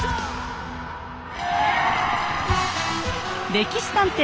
「歴史探偵」